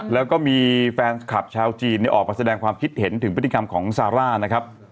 แล้วก็มีแฟนคลับชาวจีนออกมาแสดงความคิดเห็นถึงพฤติกรรมของซาร่านะครับ